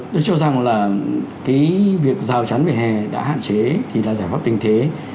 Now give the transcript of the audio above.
tôi cho rằng là cái việc rào chắn về hè đã hạn chế thì là giải pháp tình thế